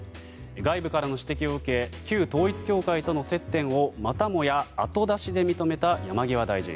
外部からの指摘を受け旧統一教会との接点をまたもや後出しで認めた山際大臣。